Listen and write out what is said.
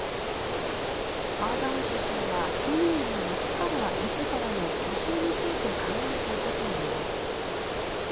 アーダーン首相は去年の夏から自らの去就について考えていたといいます。